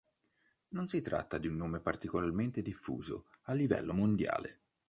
Non si tratta di un nome particolarmente diffuso a livello mondiale.